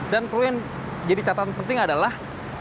dan perlu yang jadi catatan penting adalah